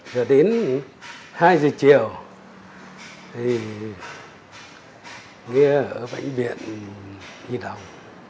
giờ đến hai giờ chiều thì nghe ở bệnh viện đi đồng